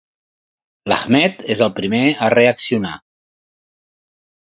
L'Ahmed és el primer a reaccionar.